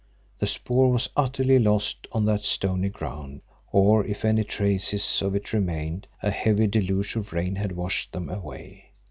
The spoor was utterly lost on that stony ground, or if any traces of it remained a heavy deluge of rain had washed them away.